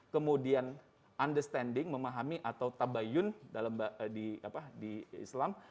kemudian understanding memahami atau tabayun di islam